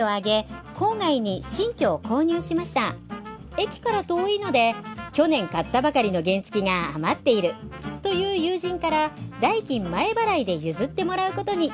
駅から遠いので「去年買ったばかりの原付が余っている」という友人から代金前払いで譲ってもらうことに。